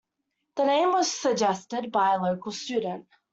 The name was suggested by a local student.